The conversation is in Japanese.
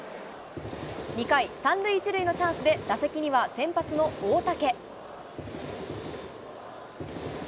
２回、３塁１塁のチャンスで打席には先発の大竹。